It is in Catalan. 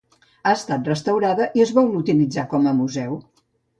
Ha estat restaurada i es vol utilitzar com a museu.